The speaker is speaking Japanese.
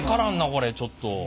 これちょっと。